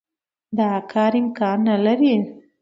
دا کار امکان نه لري.